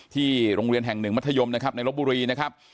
ที่โรงเรียนแห่งหนึ่งมัธยมนะครับในลบบุรีนะครับ